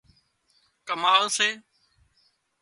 ڪماۯ سي